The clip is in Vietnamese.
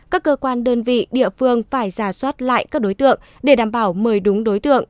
các cơ quan đơn vị địa phương phải giả soát lại các đối tượng để đảm bảo mời đúng đối tượng